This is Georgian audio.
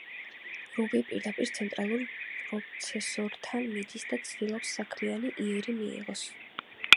რუბი პირდაპირ ცენტრალურ პროცესორთან მიდის და ცდილობს საქმიანი იერი მიიღოს.